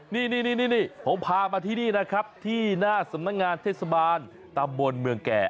นี่ผมพามาที่นี่นะครับที่หน้าสำนักงานเทศบาลตำบลเมืองแก่